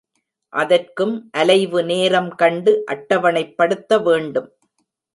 அதற்கும் அலைவு நேரம் கண்டு அட்டவணைப்படுத்த வேண்டும்.